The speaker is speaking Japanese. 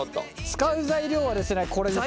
使う材料はですね